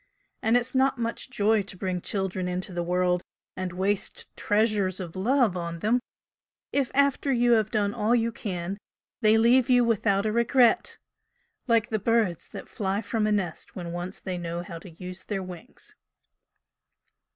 And it's not much joy to bring children into the world and waste treasures of love on them, if after you have done all you can, they leave you without a regret, like the birds that fly from a nest when once they know how to use their wings."